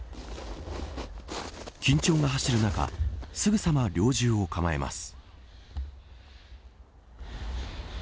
緊張が走る中すぐさま猟銃を構えます。